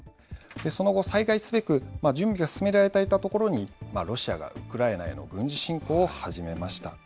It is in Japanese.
その後、再開すべく準備が進められていたところに、ロシアがウクライナへの軍事侵攻を始めました。